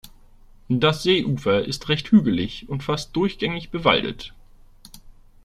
Das Seeufer ist recht hügelig und fast durchgängig bewaldet.